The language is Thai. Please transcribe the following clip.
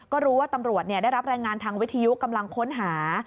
ก็รู้ว่าตำรวจได้รับรายงานทางวิทยุกำลังค้นหา